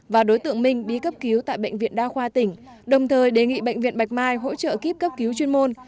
và đối tượng minh đi cấp cứu tại bệnh viện đa khoa tỉnh đồng thời đề nghị bệnh viện bạch mai hỗ trợ kíp cấp cứu chuyên môn